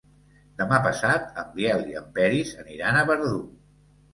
Demà passat en Biel i en Peris aniran a Verdú.